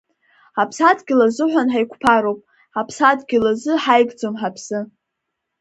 Ҳаԥсадгьыл азыҳәан ҳақәԥароуп, ҳаԥсадгьыл азы ҳаигӡом ҳаԥсы!